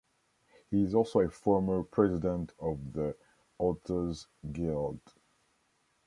He is also a former president of the Authors Guild.